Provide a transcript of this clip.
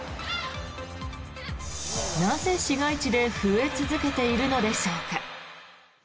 なぜ、市街地で増え続けているのでしょうか。